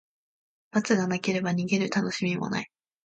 罰がなければ、逃げるたのしみもない。